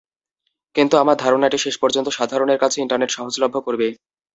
কিন্তু আমার ধারণা এটি শেষ পর্যন্ত সাধারণের কাছে ইন্টারনেট সহজলভ্য করবে।